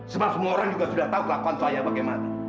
sebab semua orang juga sudah tahu kelakuan saya bagaimana